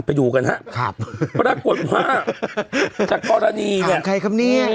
ไปอยู่กันครับปรากฏว่าจากกรณีเนี้ย